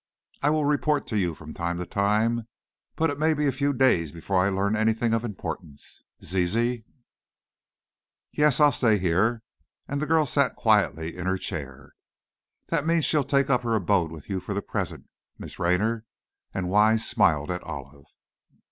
I will report to you from time to time, but it may be a few days before I learn anything of importance. Zizi?" "Yes; I'll stay here," and the girl sat quietly in her chair. "That means she'll take up her abode with you for the present, Miss Raynor," and Wise smiled at Olive.